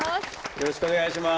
よろしくお願いします。